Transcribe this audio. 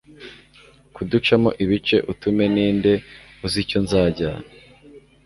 kuducamo ibice, utume ninde uzi icyo nzajyana